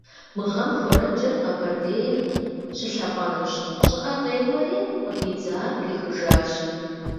Мы гъэм хуэрэджэр Къабэрдейм щылъапӏэнущ, щӏыӏэ къеуэри къыдидзар пихыжащ.